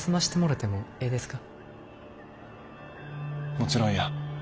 もちろんや。